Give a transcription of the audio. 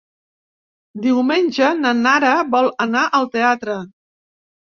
Diumenge na Nara vol anar al teatre.